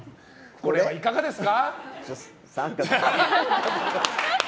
これはいかがですか？